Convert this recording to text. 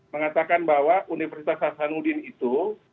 mengatakan bahwa universitas hasanuddin itu